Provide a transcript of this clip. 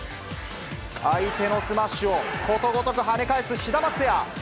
相手のスマッシュをことごとく跳ね返すシダマツペア。